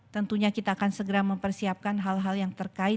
tentunya kita akan segera mempersiapkan hal hal yang terkait